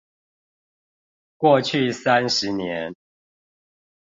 過去三十年